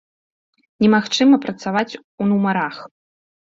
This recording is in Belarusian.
Немагчыма працаваць у нумарах!!!